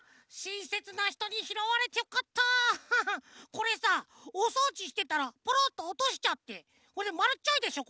これさおそうじしてたらぽろっとおとしちゃってまるっちゃいでしょ？